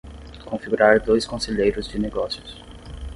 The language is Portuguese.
Configurar dois conselheiros de negócios